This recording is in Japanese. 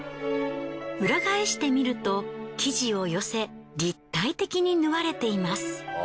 裏返してみると生地を寄せ立体的に縫われています。